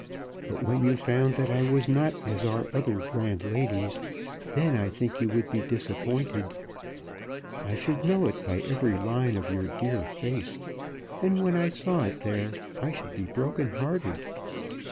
But when you found that I was not as are other grand ladies, then I think you would be disappointed. I should know it by every line of your dear face, and when I saw it there I should be broken hearted.